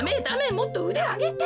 もっとうであげて。